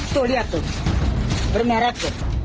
tuh lihat tuh